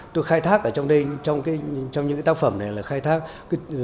tôi khai thác ở trong đây trong những cái tác phẩm này là khai thác